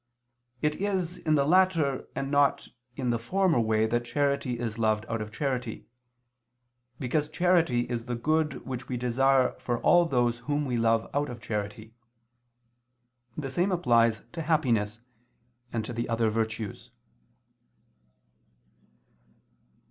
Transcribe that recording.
It is in the latter and not in the former way that charity is loved out of charity, because charity is the good which we desire for all those whom we love out of charity. The same applies to happiness, and to the other virtues.